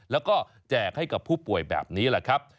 แล้วก็แจกให้กับผู้ป่วยแบบนี้แหละครับ